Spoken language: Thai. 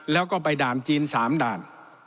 แล้วก็ไปด่านจีน๓ด่าน